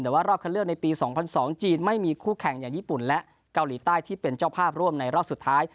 บอลโลกราศสุดท้ายก็รอบเคลื่อนในปี๒๐๐๒จีนไม่มีคู่แข่งอย่างญี่ปุ่นและเกาหลีใต้ที่เป็นเจ้าภาพร่วมในรอบสุดท้าย